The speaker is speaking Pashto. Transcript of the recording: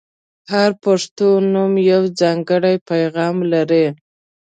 • هر پښتو نوم یو ځانګړی پیغام لري.